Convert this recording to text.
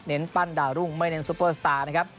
ปั้นดาวรุ่งไม่เน้นซุปเปอร์สตาร์นะครับ